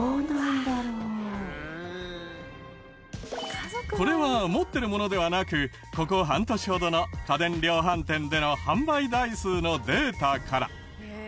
やっぱりこれは持ってるものではなくここ半年ほどの家電量販店での販売台数のデータから。